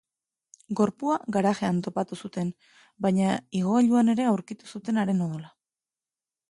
Gorpua garajean topatu zuten, baina igogailuan ere aurkitu zuten haren odola.